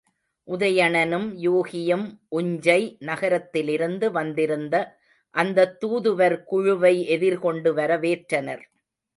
உதயணனும் யூகியும் உஞ்சை நகரத்திலிருந்து வந்திருந்த அந்தத் தூதுவர் குழுவை எதிர்கொண்டு வரவேற்றனர்.